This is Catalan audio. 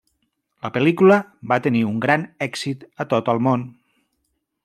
La pel·lícula va tenir un gran èxit a tot el món.